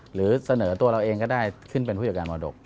หรือเสนอตัวเราเองก็ได้ขึ้นเป็นผู้จัดการมรดก